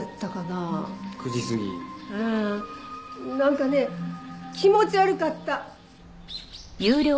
なんかね気持ち悪かった。